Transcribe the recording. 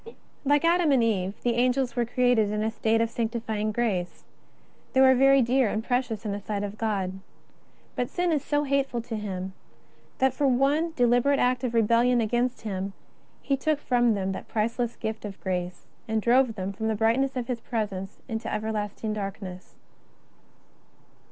Like Adam and Eve, the Angels were created in a state of sanctifying grace. They were very dear and precious in the sight of God. But sin is so hateful to Him, that for that one deliberate act of rebellion against Him He took from them that priceless gift of grace, and drove them from the brightness of His Presence into everlasting darkness.